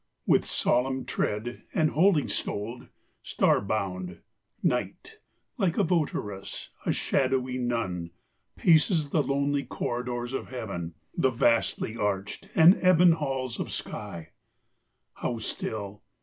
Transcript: With solemn tread and holy stoled, star bound, Night, like a votaress, a shadowy nun, Paces the lonely corridors of heaven, The vasty arched and ebon halls of sky. How still!